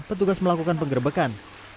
petugas melakukan penggerbekan